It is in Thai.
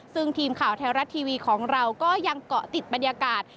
ซึ่งทีมข่าวไทยรัฐทีวีของเราก็ยังเกาะติดบรรยากาศ